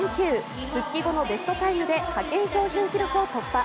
復帰後のベストタイムで派遣標準記録を突破。